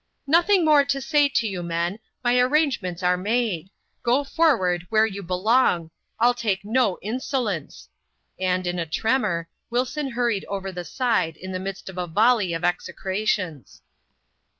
*' Nothing more to say to you, men ; my arrangements are made. Go forward, where you belong. Pll take no insolence ; and, in a tremor, Wilson hurried over the side in the midst of a volley of execrations.